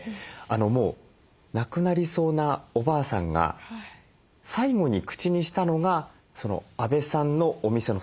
もう亡くなりそうなおばあさんが最期に口にしたのが阿部さんのお店のだしだったと。